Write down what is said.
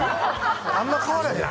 あんまり変わらん。